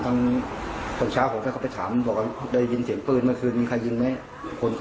ก็ตอนเช้าถ้าเขาไปถามได้ยินเสียงปืนเหมือนกันเคยมีใครยิงไหม